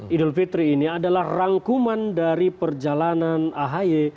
idul fitri ini adalah rangkuman dari perjalanan ahi